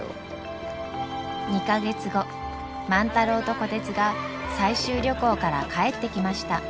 ２か月後万太郎と虎鉄が採集旅行から帰ってきました。